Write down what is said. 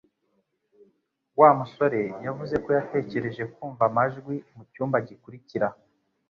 Wa musore yavuze ko yatekereje kumva amajwi mu cyumba gikurikira